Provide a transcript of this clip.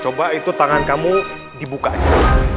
coba itu tangan kamu dibuka aja